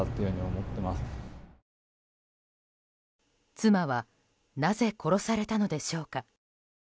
妻はなぜ殺されたのでしょうか。